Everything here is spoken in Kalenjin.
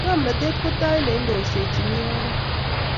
ngomnatet ko tait neindoisechini oret